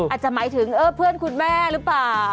อาจจะหมายถึงเพื่อนคุณแม่หรือเปล่า